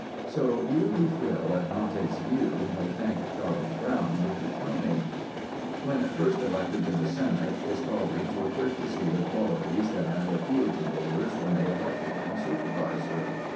So you who thrill at Dante's View may thank Charles Brown of Shoshone. When first elected to the senate, his colleagues were quick to see the qualities that had appealed to voters when they elected him supervisor.